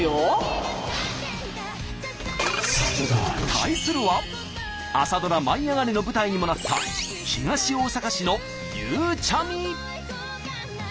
対するは朝ドラ「舞いあがれ！」の舞台にもなった東大阪市のゆうちゃみ。